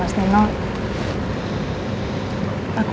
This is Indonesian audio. terima kasih kamu udah percaya sama saya